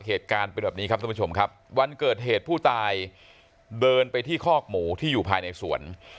เหตุการณ์เป็นแบบนี้ครับท่านผู้ชมครับวันเกิดเหตุผู้ตายเดินไปที่คอกหมูที่อยู่ภายในสวน